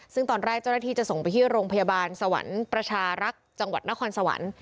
ซึ่งตอนแรกเจ้าหน้าที่จะส่งไปที่โรงพยาบาลสวรรค์ประชารักษ์จังหวัดนครสวรรค์